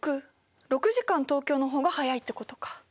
６時間東京の方が早いってことか。